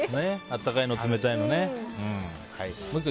あったかいの、冷たいのね。